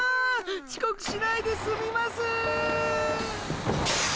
ちこくしないですみます！